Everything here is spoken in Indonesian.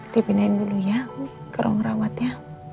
dipindahin dulu ya kalau ngerawat ya